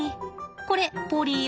これポリー